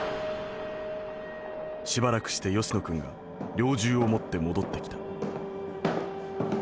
しばらくして吉野君が猟銃を持って戻ってきた」。